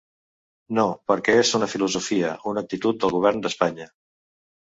No, perquè és una filosofia, una actitud del govern d’Espanya.